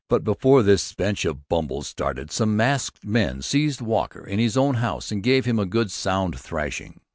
But before this bench of bumbles started some masked men seized Walker in his own house and gave him a good sound thrashing.